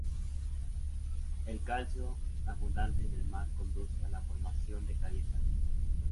El calcio abundante en el mar conduce a la formación de calizas.